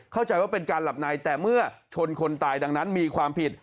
เข้าใจว่าเป็นการหลับในแต่เมื่อชนคนตายดังนั้นมีความผิด